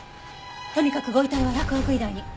とにかくご遺体は洛北医大に。